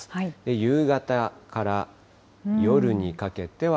夕方から夜にかけては。